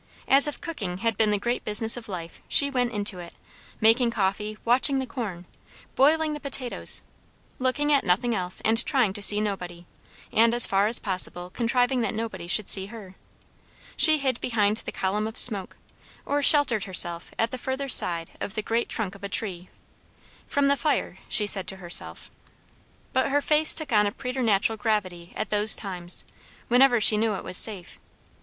As if cooking had been the great business of life, she went into it; making coffee, watching the corn, boiling the potatoes; looking at nothing else and trying to see nobody, and as far as possible contriving that nobody should see her. She hid behind the column of smoke, or sheltered herself at the further side of the great trunk of a tree; from the fire, she said to herself. But her face took on a preternatural gravity at those times, whenever she knew it was safe.